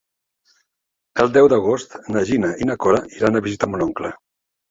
El deu d'agost na Gina i na Cora iran a visitar mon oncle.